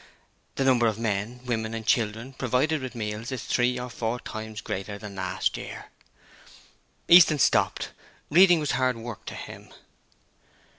The number of men, women and children provided with meals is three or four times greater than last year.' Easton stopped: reading was hard work to him.